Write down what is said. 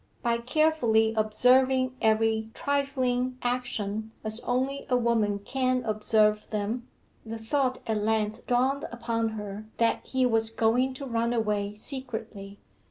By carefully observing every trifling action, as only a woman can observe them, the thought at length dawned upon her that he was going to run away secretly.